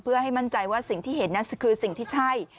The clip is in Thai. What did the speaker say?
เพื่อให้มั่นใจว่าสิ่งที่เห็นนั้นคือสิ่งที่ใช่